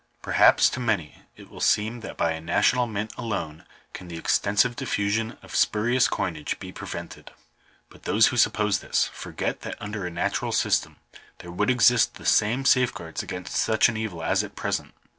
Perhaps to many it will seem that by a national mint alone can the extensive diffusion of spurious coinage be prevented. But those who suppose this, forget that under a natural system there would exist the same safeguards against such an evil as at present.